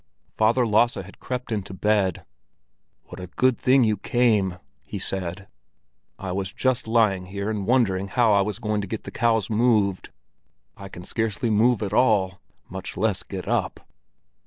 Father Lasse had crept into bed. "What a good thing you came!" he said. "I was just lying here and wondering how I was going to get the cows moved. I can scarcely move at all, much less get up."